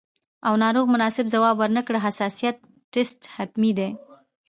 او ناروغ مناسب ځواب ورنکړي، حساسیت ټسټ حتمي دی.